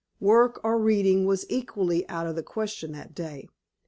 Work or reading was equally out of the question that day.